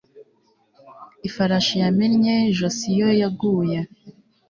Ifarashi yamennye ijosi iyo yaguye